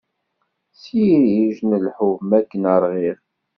S yirij n lḥub makken ṛɣiɣ.